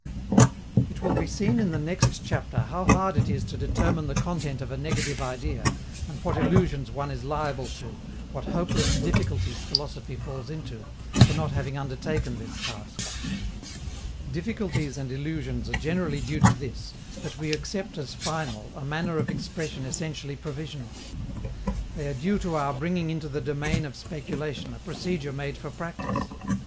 It will be seen in the next chapter how hard it is to determine the content of a negative idea, and what illusions one is liable to, what hopeless difficulties philosophy falls into, for not having undertaken this task. Difficulties and illusions are generally due to this, that we accept as final a manner of expression essentially provisional. They are due to our bringing into the domain of speculation a procedure made for practice.